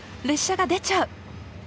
列車が出ちゃう！